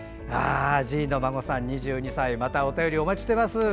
じいのまごさん、２２歳またお便りお待ちしています。